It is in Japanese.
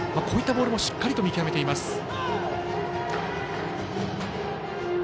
こういったボールもしっかり見極めています。